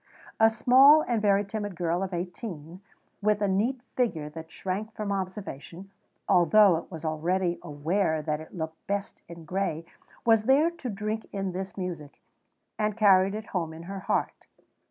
A small and very timid girl of eighteen, with a neat figure that shrank from observation, although it was already aware that it looked best in gray, was there to drink in this music, and carried it home in her heart.